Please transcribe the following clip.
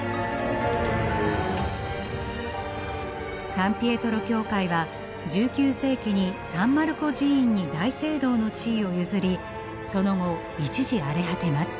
サン・ピエトロ教会は１９世紀にサン・マルコ寺院に大聖堂の地位を譲りその後一時荒れ果てます。